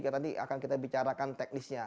nanti akan kita bicarakan teknisnya